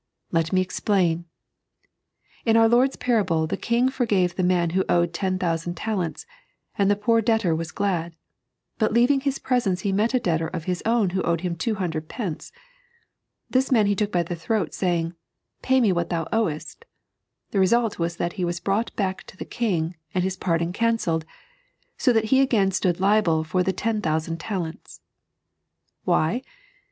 Let me explain ! In our Lord's parable the king forgave the man who owed ten thousand talents, and the poor debtor w.ts glad ; but leaving hie presence he met a debtor of his own who owed him two hundred pence. This man he took by the throne, saying :" Pay me what thou owest." The result was that he was brought back to the king, and his pardon cancelled, so that he again stood liable for the ten thousand talents. Why